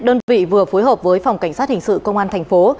đơn vị vừa phối hợp với phòng cảnh sát hình sự công an thành phố